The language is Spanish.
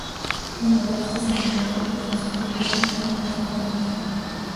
El lugar está señalado en el suburbio de Neapolis.